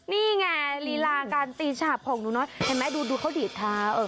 นี่ไงลีลาการตีฉาบของหนูน้อยเห็นไหมดูเขาดีดเท้า